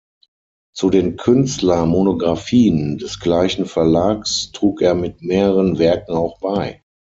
Zu den „Künstler-Monographien“ des gleichen Verlags trug er mit mehreren Werken auch bei.